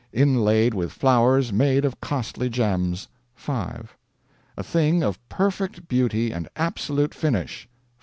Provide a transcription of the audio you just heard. Inlaid with flowers made of costly gems 5. A thing of perfect beauty and absolute finish 5.